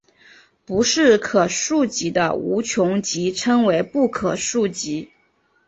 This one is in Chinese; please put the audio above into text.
不是可数集的无穷集称为不可数集。